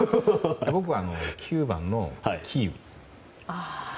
僕は９番のキーウ。